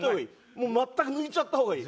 もう全く抜いちゃった方がいい。